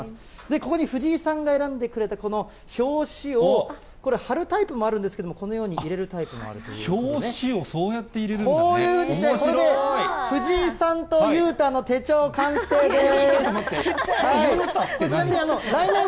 ここに藤井さんが選んでくれたこの表紙を、貼るタイプもあるんですけれども、このように入れるタイプもあると表紙をそうやって入れるんだこういうふうにして、これで藤井さんと裕太の手帳完成です。